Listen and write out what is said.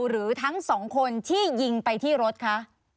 หรือทั้งสองคนที่ยิงไปที่รถคะ